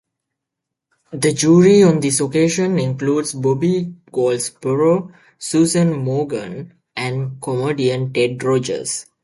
The jury on this occasion included Bobby Goldsboro, Susan Maughan and comedian Ted Rogers.